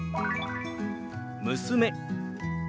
「娘」。